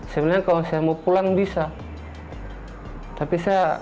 sebenarnya kalau saya mau pulang bisa